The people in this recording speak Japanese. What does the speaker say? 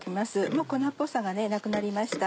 もう粉っぽさがなくなりました。